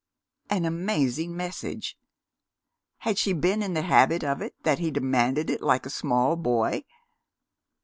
An amazing message! Had she been in the habit of it, that he demanded it like a small boy?